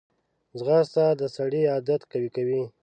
ځغاسته د سړي عادت قوي کوي